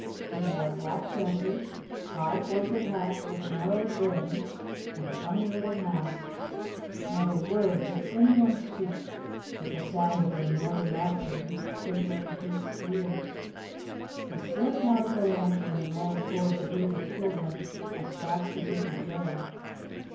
They wore black dresses, high, pointed hats with narrow brims, and funny little masks. Not a word did anyone speak, but the sound of their merry laughter reached Twinkling Feet's ears. He slipped out of the lantern, and ran toward the group of children as fast as he could go.